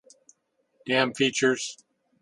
Dam Features